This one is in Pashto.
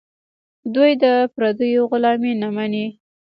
دوی د پردیو غلامي نه مني.